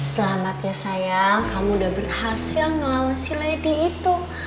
selamat ya sayang kamu udah berhasil ngelawan si lady itu